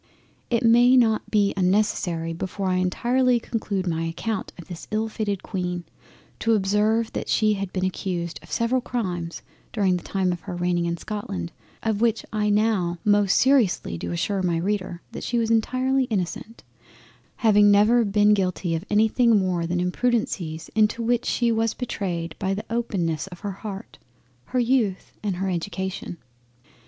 It may not be unnecessary before I entirely conclude my account of this ill fated Queen, to observe that she had been accused of several crimes during the time of her reigning in Scotland, of which I now most seriously do assure my Reader that she was entirely innocent; having never been guilty of anything more than Imprudencies into which she was betrayed by the openness of her Heart, her Youth, and her Education.